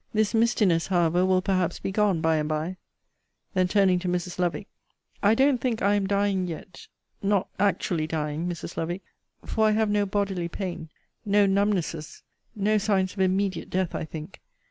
This mistiness, however, will perhaps be gone by and by. Then turning to Mrs. Lovick, I don't think I am dying yet not actually dying, Mrs. Lovick for I have no bodily pain no numbnesses; no signs of immediate death, I think.